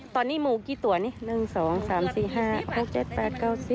ตอนนี้หมูกี่ตัวนี่๑๒๓๔๕๖๗๘๙๔